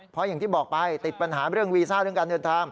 เพราะอย่างที่บอกไปติดปัญหาเรื่องวีซ่าเรื่องการเดินทาง